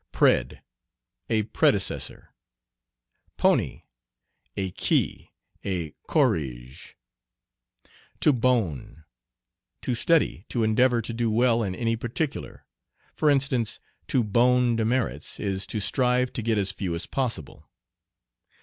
"Pred." A predecessor. "Pony." A key, a corrigé. "To bone." To study, to endeavor to do well in any particular; for instance, to "bone demerits" is to strive to get as few as possible.